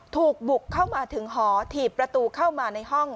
ถูกบุกเข้ามาถึงหอถีบประตูเข้ามาในห้อง